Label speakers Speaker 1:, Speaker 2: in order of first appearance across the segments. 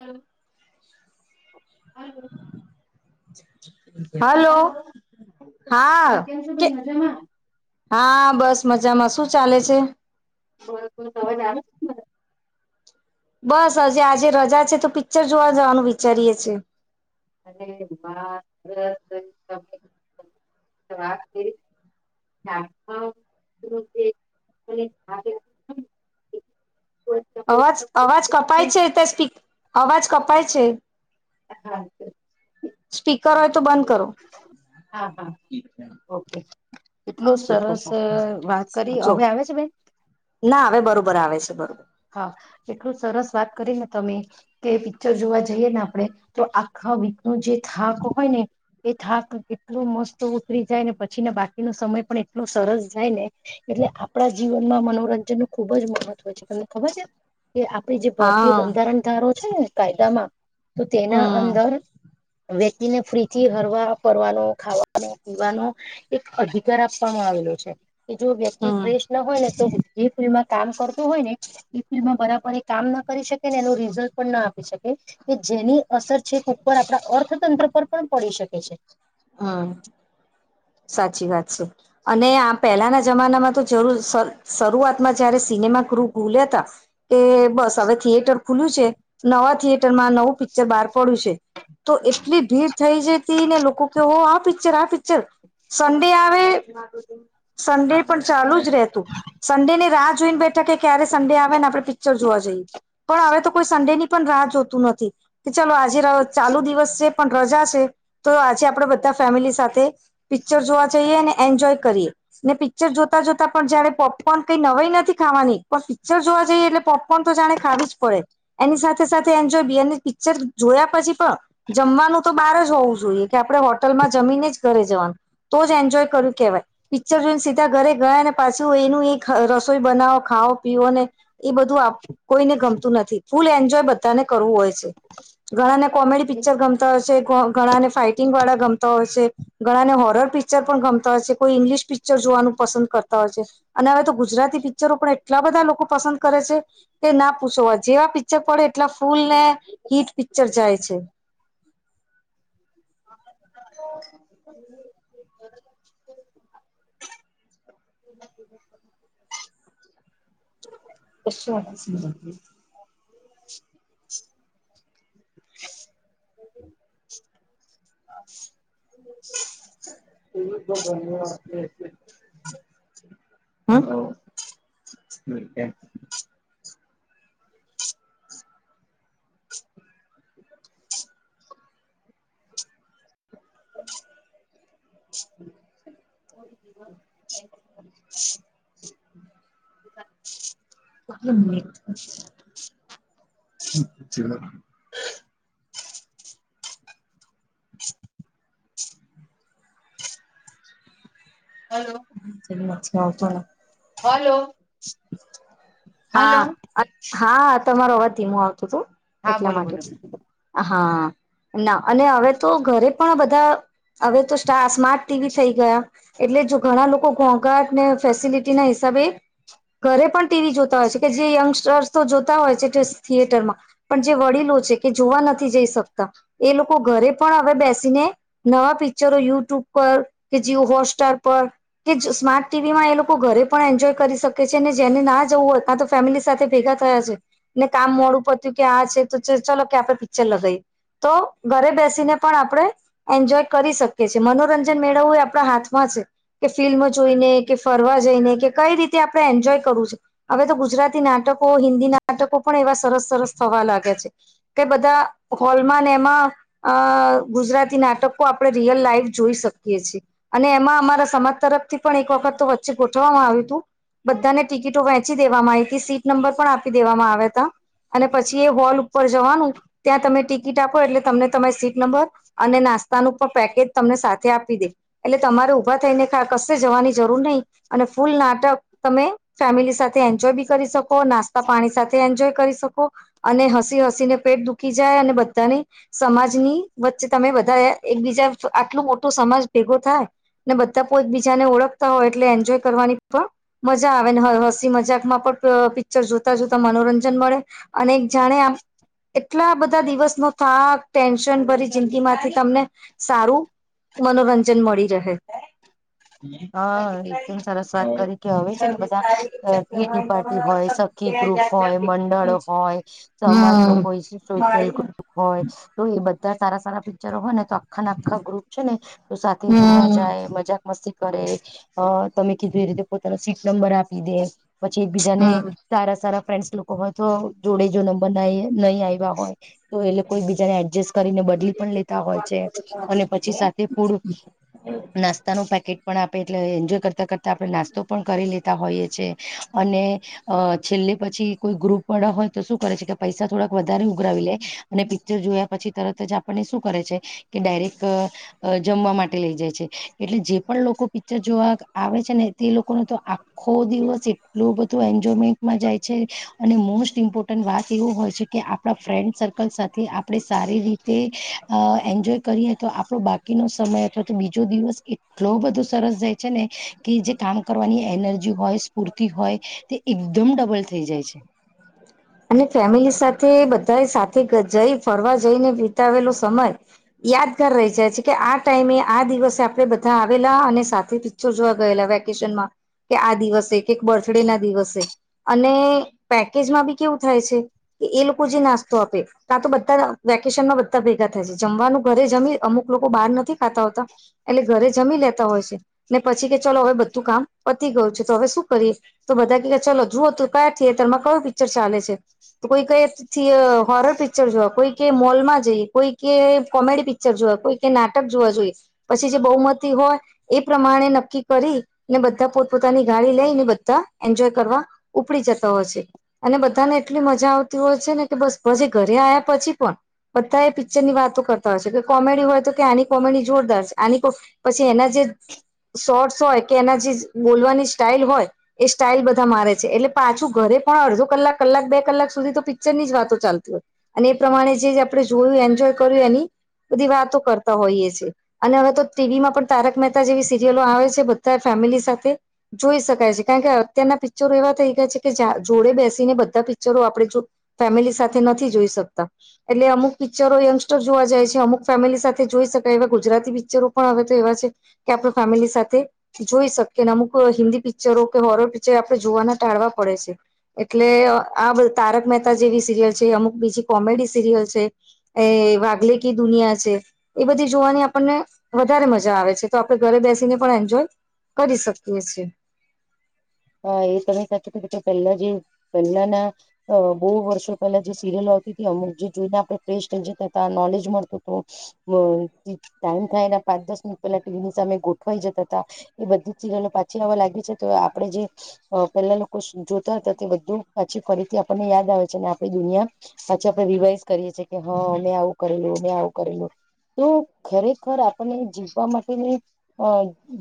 Speaker 1: હમ હમ હ
Speaker 2: હલો હા
Speaker 1: કેમ છો
Speaker 2: કે
Speaker 1: ભાઈ મજામાં
Speaker 2: હા બસ મજામાં શું ચાલે છે
Speaker 1: બ તવા જ
Speaker 2: બસ હજ આજે રજા છે તો પિક્ચર જોવા જવાનું વિચારીએે છે
Speaker 1: અને બસ રા ચ
Speaker 2: અવાજ અવાજ કપાય છે તે સ્પી અવાજ કપાય છે
Speaker 1: હા
Speaker 2: સ્પીકર હોય તો બંધ કરો
Speaker 1: હા હા હા, ઓકે એટલું
Speaker 2: સ્પીકર
Speaker 1: સરસ વાત કરી
Speaker 2: જો
Speaker 1: હવે આવે છે બેન
Speaker 2: ના આવે બરોબર આવે છે બરોબર
Speaker 1: હા એટલું સરસ વાત કરી ને તમે કે પિક્ચર જોવા જઈએ ને આપણેે તો આખ વિક નું જે થાક હોય ને એ થાક એટલો મસ્ત ઉતરી જાય ને પછી બાકીનો સમય પણ એટલો સરસ જાય ને એટલે આપણા જીવનમાં મનોરંજન નું ખુબ જ મહત્વ છે તમને ખબર છે કે આપડી જે ભારતીય
Speaker 2: હા
Speaker 1: બંધારણ ધારો છે ને કાયદામાં તો તેના
Speaker 2: હમ
Speaker 1: અંદર વ્યક્તિને ફ્રીથી હરવા ફરવાનો ખાવાનો પીવાનો એક અધિકાર આપ પણ આવેલો છે કે જો વ્યક્તિ
Speaker 2: હમ
Speaker 1: કેશ ન હોય ને તો એ ફિલ્ડમાં કામ કરતો હોય ને એ ફિલ્ડમાં બરાબર એ કામ ના કરી શકે ને એનું રિઝલ્ટ પણ ના આપી શકે કે જેની અસર છે ઉપર આપણા અર્થતંત્ર પર પણ પડી શકે છે
Speaker 2: હા સાચી વાત છે અને આ પહેલાના જમાનામાં તો જરૂર શરૂઆતમાં જયારે સિનેમા ભૂલે ત કે બસ હવે થિયેટર ખુલ્યું છે નવા થિયેટર માં નવું પિક્ચર બાર પડ્યું છે તો એટલી ભીડ થઈ જતી ને લોકો કે હો આ પિક્ચર આ પિક્ચર સન્ડે આવે સન્ડે પણ ચાલુ જ રહેતું સન્ડે ની રાહ જોઈને બેઠા ક્યારે સંડે આવે ને આપણે પિક્ચર જોવા જઈએ પણ હવે તો કોઈ સંડે ની પણ રાહ જોતું નથી કે ચાલ આજે આજે ચાલુ દિવસ છે પણ રજા છે તો આજે આપડ બધા ફેમિલી સાથે પિક્ચર જોવા જઈએ અને એન્જોય કરીએ ને પિક્ચર જોતા જોતા પણ જયારે પોપકોર્ન કઈ નવાઈ નથી ખાવા પણ પિક્ચર જોવા જઈએ એટલે પોપકોર્ન તો જાણે ખાવી જ પડે એની સાથે સાથે એન્જોય બી સર જોયા પછી પણ જમવાનું તો બહાર જ હોવું જોઈએ કે આપણે હોટલમાં જમીને જ ઘરે જવાનું તો જ એન્જોય કર્યું કેહેવાય પિક્ચર જોઈને સીધા ઘરે ગયા પાછું એનું એક રસોઈ બનાવ ખાો પીો ને એ બધું કોઈને ગમતું નથી ફૂલ એન્જોય બધાને કરવું હોય છે ઘણાને કોમેડી પિક્ચર ગમતા હોય છે ઘણાને ફાાઈટિંગ વાળા ગમતા હોય છે ઘણાને હો હર પિક્ચર પણ ગમતા હોય છે કોઈ ઇંગ્લિશ પિક્ચર જોવાનું પસંદ કરતા હોય છે અને હવે તો ગુજરાતી પિક્ચરો પણ એટલા બધા લોકો પસંદ કરે છે કે ના પૂછવા જેવા પિક્ચર પડે એટલા ફૂલ ને હીટ પ ચર્ચાાય છે [inaudible]
Speaker 1: [inaudible] હ
Speaker 2: એવ તો ધન
Speaker 1: છે
Speaker 2: હ તો [inaudible]
Speaker 1: [inaudible]
Speaker 2: હ
Speaker 1: [unintelligible] [inaudible]
Speaker 2: છ [inaudible]
Speaker 1: હલો
Speaker 2: નથી આવતો
Speaker 1: હલોો
Speaker 2: હા અ હા તમારો આવા ધીમું આવતું હતું
Speaker 1: હા
Speaker 2: એટલા
Speaker 1: બોલો
Speaker 2: માટે
Speaker 1: બોલો
Speaker 2: હા ના અને હવે તો ઘરે પણ બધા હવે તો સ્માર્ટ ટીવી થઈ ગયા એટલે જો ઘણા લોકો ઘોઘાટને ફેસિલિટી ના હિસાબ સબે ઘરે પણ ટીવી જોતા હોય છે કે જે યંગસ્ટર્સ તો જોતા હોય છે થિયેટરમાં પણ જે વડીલો છે કે જોવા નથી જઈ શકતા એ લોકો ઘરે પણ હવે બેસીને નવા પિક્ચરો યુટ્યુબ પર કે જી હોટ સસ્ટાર પર કે સ્માર્ટ ટીવી માં એ લોકો ઘરે પણ એન્જોય કરી શક ને જેને ના જવું હોય ત તો ફેમિલી સાથે ભેગા થયા છે ને કામ મોડું પડતું કે આ છે તો ચાલો ક્યા પે પિક્ચર લગઈ તો ઘરે બેસીને પણ આપણે એન્જોય કરી શકીએ છીએ મનોરંજન મેળવવું એ આપણા હાથમાં કે ફિલ્મ જોઈને કે ફરવા જઈને કે કઈ રીતે આપણે એન્જોય કરવું છે હવે તો ગુજરાતી નાટકો હિન્દી નાટકો પણ એવા સરસ સરસ થવા લાગે છે બધા હોલમાં એમાં ગુજરાતી નાટકો આપડે રિયલ લાઈ લાઈ જોઈ શકીએ છી અને એમાં અમારા સમાજ તરફથી પણ એક વખત તો વચ્ચે ગોઠવામાં આવ્યું હતું બધાને ટિકિટો વહેંચી દેવામાં આવી હતી સીટ નંબર પણ આપી દેવામાં આવ્યા હતા અને પછી એ હોલ ઉપર જવાનું ત્યાં તમે ટિકિટ આપો એટલે તમને તમામે સીટ નંબર અને નાસ્તાનું પણ પેકેજ તમને સાથે આપી દે એટલે તમારે ઉભા થઈને કશે જવાની જરૂર નહીિ અને ફૂલ નાટક તમે ફેમિલી સાથે એન્જોય બી કરી શકો નાસ્તા પાણી સાથે એન્જોય કરી શકો અને હ સી હસીને પેટ દુખી જાય અને બધાને સમાજની વચ્ચે તમે બધા એકબીજા આટલો મોટો સમાજ ભેગો થાય ને બધા પો એક બીજાને ઓળખતા હોય એટલે એન્જોય કરવાની પણ મજા આવે ને હસી મજાકમાં પણ પિક્ચર જોતા જોતા મનોરંજન મળે અને એક જાણે આ એટલા બધા બધા દિવસ નો થાક ટેન્શન ભરી જિંદગી માંથી તમને સારું મનોરંજન મળી રહે
Speaker 1: હા એકદમ સરસ વાત કરી કે ને બધા પી પારી હોય સખી ગ્રુપ હોય મંડળ હોય
Speaker 2: હમ
Speaker 1: સ સો ગુપ હોય તો એ બધ ધ સારા સારા પિક્ચરો હોય ને તો આખા ના આખા ગ્રુપ છે ને તો સાથે જોવા
Speaker 2: હમ
Speaker 1: જાય મજાક મસ્તી કરે તમે કે જે રીતે પોતાનો સીટ નંબર આપી દે પછી એકબીજા ને
Speaker 2: હમ
Speaker 1: સારા સારા ફન્ડસ લોકો હોય તો જોડે જો નંબર ના નહીં આવ્યા હોય તો એટલે કોઈ બીજાને એડજસ્ટ કરીને બદલી પણ લેતા હોય છે અને પછી સાથે ફૂડ નાસ્તા નુપેકેટ પણ આપે એટલે એન્જોય કરતા કરતા આપણે નાસ્તો પણ કરી લેતા હોઈએ છી અને છેલ્ એ પછી કોઈ ગ્રુપ વાળા હોય તો શું કરે છે કે પૈસા થોડાક વધારે ઉઘરાવી લે અને પિક્ચર જોયા પછી આપને શું કરે છે કે ડાયરેક્ટ જમવા માટે લઈ જાય છે એટલે પણ લોકો પિક્ચર જોવા આવે છે ને તે લોકો ન તો આખો દિવસ એટલું બધું એન્જોયમેન્ટ જાય છે અને મોસ્ટ ઇમ્પોર્ટન્ટ વાત એવું હોય છે કે આપણા ફ્રેન્ડ સર્કલ સાથે આપણે સારી રીતે એન્જોય કરીએ તો આપણો બાકી નો સમય અથવા તો બીજો દિવસ એટલો બધું સરસ જાય છે ને કે જે કામ કરવાની એનર્જી હોય સ્ફૂર્તિ હોય તે દમ ડબલ થઈ જાય છે
Speaker 2: અને ફેમિલી સાથે બધા સાથે જઈ ફરવા જઈને વિતાવેલો સમય યાદગાર રહી જાય છે કે આ ટાઈમ આ દિવસે આપડે બધા આવેલા અને સાથે પિક્ચર જોવા ગયેલા વેકેશન માં કે આ દિવસે કે બર્થડે ના દિવસે અને પેકેજમાં બી કેવું થાય છે કે એ લોકો જે નાસ્તો આપે ત્યાં તો બધા વેકે બધા ભેગા થાય છે જમવાનું ઘરે જમી અમુક લોકો બહાર નથી ખાતા હોતા એટલે ઘરે જમી લેતા હોતા ને પછી કે ચલો હવે બધું કામ પતી ગયું છે તો હવે શું કરીએ તો બધા ક ચાલો જુઓ તું કયા થિયેટર માં કયું પિક્ચર ચાલે છે તો કોઈ કઈ હોરર પિક્ચર જોવા કોઈ ક મોલમાં જઈ કોઈ કે કોમેડી પિક્ચર જોવા કોઈ નાટક જોવા જોઈએ પછી જે બહુમતી હોય એ પ્રમાણે નક્કી કરી ને બધા પોતપ પોતાની ગાડી લઈ ને બધા એન્જોય કરવા ઉપડી જતા હોય છે અને બધાને એટલી મજા આવતી હોય છે ને કે બસ પછ ઘરે આવ્યા પછી પણ બધા એ પિક્ચરની વાતો કરતા હોય છે કે કોમેડી હોય તો કે આની કોમેડી જોરદાર આની પછી એના જે શોર્ટસ હોય કે એના જે બોલવાની સ્ટાલ હોય એ સ્ટાલ બધા મારે છે એટલે પાછું ઘરે પણ અડધો કલાક કલાક બે કલાક સુધી તો પિક્ચર ની જ વાતો ચાલતી હોય અને એ પ્રમાણે જ જે આપડે જોયું એન્જોય કર્યું એ બધી વાતો કરતા હોઈએ છીએ અને હવે તો ટીવીમાં પણ તારક મહેતા જેવી સિરિયલો આવે છે બધા ફેમલી સાથે જોઈ શકાય છે કારણ કે અત્યારના પિક્ચરો એવા થઈ ગયા છે કે જોડે બેસીને બધા પિક્ચરો આપણે ફેમિલી સાથે નથી જોઈ શકતા એટલે અમુક પિક્ચરો યંગસ્ટર જોવા જાય છે અમુક ફેમિલી સાથે જોઈ શકાય એવે ગુજરાતી પિક્ચરો પણ હવે તો આપ ફેમિલી સાથે જોઈ શકીએને અમુક હિન્દી પિક્ચરો કે હોરર પિક્ચર જોવાના ટાળવા પડે છે એટલે આ તારક મહેતા જેવી સીરિયલ છે અમુક બીજી કોમે કોમેડી સિરિયલ છે એ વાગલે ક દુનિયા છે એ બધી જોવાની આપણને વધારે મજા આવે છે તો આપણે ઘરે બેસીને પણ એન્જોય કરી શકીએ છીએ
Speaker 1: [inaudible] હ એ તમે સાચી કે પહેલા જે પહેલાના બહુ વર્ષો પહેલા જે સિરિયલો [unintelligible] પાંચ દસ મિનિટ પેલા ટીવીની સામે ગોઠવાઈ જતા હતા એ બધી સિરિયલો પાછી આવવા લાગી છે તો આપડે જે અ પેલા લોકો જોતા હતા તે બધું પાછી ફરીથી આપણને યાદ આવે છે અને આપડી દુનિયા પાછા આપડે રિવાઈઝ કરીએ છીએ કે હ મેં આવું કરેલું મેં આવું કરેલું તો ખરેખર આપણને જીવવા માટેની અ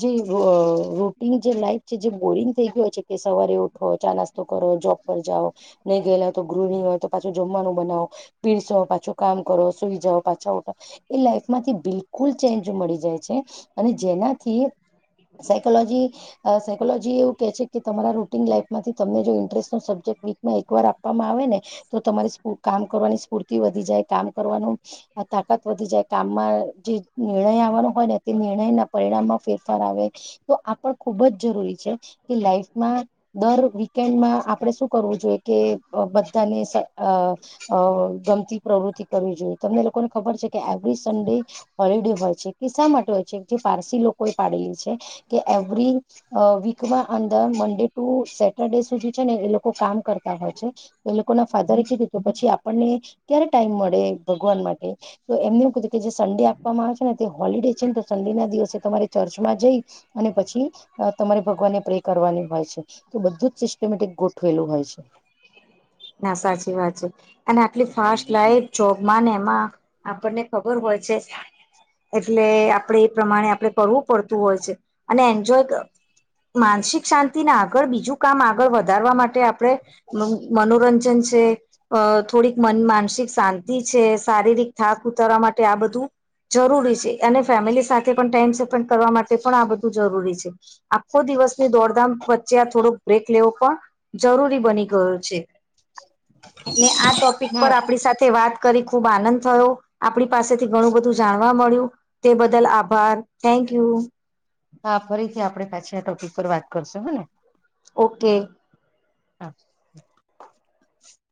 Speaker 1: જે અ રોટીન જે લાઈફ છે જે બોરિંગ થ ગયો છે કે સવારે ઉઠો ચા નાસ્તો કરો જોબ પર જાઓ નહીં ગયેલા તો ગૃહણીઓ હોય તો પાછુ જમવા વાનું બનવો પીરસો પાછો કામ કરો સુઈ જાઓ પાછા ઉઠો એ લાઈફમાંથી બિલકુલ ચેન્ગ મળી જાય છે અને જેનાથી સાયકોલોજી અ સાયકોલોજી એવ કે તમારા રૂન લાઈફ માંથી તમને જો ઇન્ટરેસ્ટો સબ્જેક્ટ વીકમાં એક વાર આપવામાં આવે ને તો તમારી કામ કરવાની સ્ફૂર્તિ વધી જાય કામ કરવાનું તાકાત વધી જાય કામમાં જે નિર્ણય આવવાનું હો ને તે નિર્ણયના પરિણામમાં ફેરફાર આવે તો આ પણ ખુબ જ જરૂરી છે લાઈફ મા દર વન્ડમાં આપડણે શું કરવું જોઈએ કે બધાને અ અ ગમતી પ્રવૃતિ કરવી જોઈએ તમને લોકોને ખબર છે કે એવરી સન્ડે હોલિડે હોય છે કે શા માટે હોય છે જે પારસી લોકો પાડે છે કે એવરી અ વીકના અંદર મડે ટુ સેટરડે સુધી છે ને એ લોકો કામ કરતા હોય છે એ લોકો ના ફાધરે જીધી પછી આપણને ક્યારે ટાઈમ મળે ભગવાન માટે તો એમને એવું કધું કે જે સન્ડે આપવામાં આવે છે ને તે હોલિડે છે ને તો સન્ડે ના દિવસે તમારી ચર્ચમાં જઈ અને પછી તમારે ભગવાનને પ્રે કરવાની હોય છે તો બધું જ સિસ્ટમેટિક ગોઠવેલું હોય છે
Speaker 2: નાશા છે અને આટલી ફાસ્ટ લાઈફ જોબમાં ને એમાં આપણને ખબર હોય છે એટલે આપડે એ પ્રમાણે આપડે કરવું પડતું હોય છે અને એન્જોય માનસિક શાંતિને આગળ બીજું કામ આગળ વધારવા માટે આપડે મન મનોરંજન છે થોડીક માનસિક શાંતિ છે શારીરિક થાક ઉતારવા માટે આ બધું જરૂરી છે અને ફેમિલી સાથે પણ ટાઈમ સ્પેન્ડ કરવા માટે પણ આ બધ જરી છે આખો દિવસની દોડધામ વચ્ચે આ થોડોક બ્રેક લેવો પણ જરૂરી બની ગયો છે
Speaker 1: [inaudible]
Speaker 2: ને આ ટોપિક
Speaker 1: ના
Speaker 2: પર આપણી સાથે વાત કરી ખુબ આનંદ થયો આપણી પાસેથી ઘણું બધું જાણવા મળ્યું તે બદલ આભાર થેન્ક [inaudible]
Speaker 1: હા ફરીથી આપડણે પાછી આ ટોપિક પર વાત કરશું હ ને
Speaker 2: ઓકે
Speaker 1: [unintelligible] [inaudible]